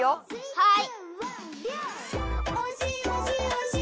はい。